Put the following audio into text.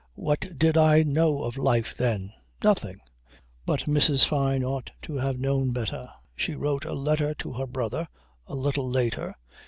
What did I know of life then? Nothing. But Mrs. Fyne ought to have known better. She wrote a letter to her brother, a little later.